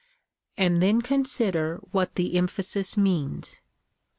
" and then consider what the emphasis means.